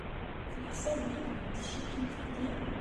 Ɣef leḥsab-nwent, cikkent deg-i?